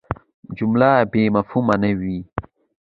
جمله بېمفهومه نه يي.